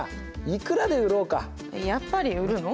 やっぱり売るの？